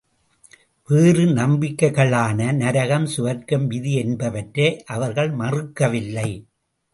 வேறு நம்பிக்கைகளான, நரகம், சுவர்க்கம், விதி என்பனவற்றை அவர்கள் மறுக்கவில்லை.